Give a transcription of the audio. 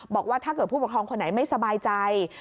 บอกว่าถ้าเกิดผู้ปกครองคนไหนไม่สบายใจ